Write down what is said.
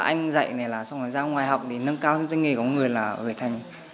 anh dạy này là xong rồi ra ngoài học để nâng cao tay nghề của người là ở việt thành